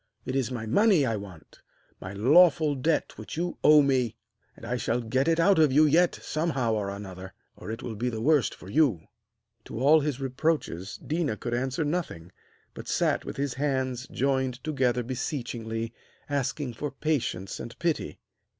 It is my money I want, my lawful debt which you owe me, and I shall get it out of you yet somehow or another, or it will be the worst for you.' To all his reproaches Déna could answer nothing, but sat with his hands joined together beseechingly, asking for patience and pity.